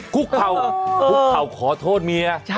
คุกเข่าขอโทษเมีย